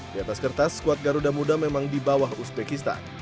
di atas kertas skuad garuda muda memang di bawah uzbekistan